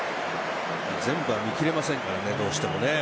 全部は見きれませんからねどうしてもね。